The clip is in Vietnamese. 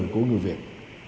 của người việt